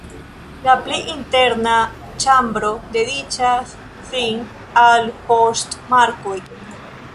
La pli interna ĉambro dediĉas sin al poŝtmarkoj.